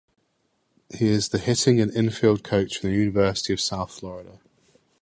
He is the hitting and infield coach at the University of South Florida.